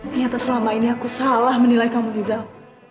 ternyata selama ini aku salah menilai kamu rizal